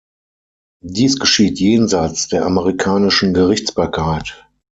Dies geschieht jenseits der amerikanischen Gerichtsbarkeit.